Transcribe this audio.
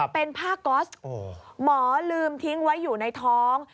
เป็นผ้าก๊อสหมอลืมทิ้งไว้อยู่ในท้อง